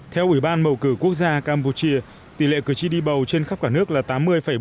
theo ủy ban bầu cử quốc gia campuchia tỷ lệ cử tri đi bầu trên khắp cả nước là tám mươi bốn